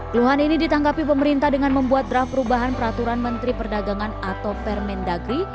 keluhan ini ditanggapi pemerintah dengan membuat draft perubahan peraturan menteri perdagangan atau permendagri